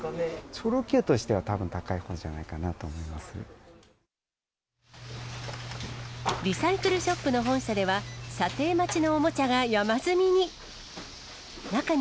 チョロＱとしてはたぶん高いリサイクルショップの本社では、査定待ちのおもちゃが山積みに。